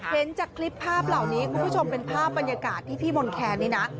เห็นจากคลิปภาพเหล่านี้คุณผู้ชมเป็นภาพบรรยากาศที่พี่มนต์แคนนี่นะ